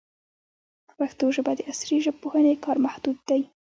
په پښتو ژبه د عصري ژبپوهنې کار محدود دی.